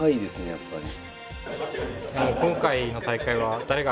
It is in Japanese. やっぱり。